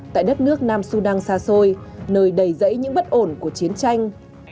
tại đất nước nam sudan xa xôi nơi đầy dãy những bất ổn của chiến tranh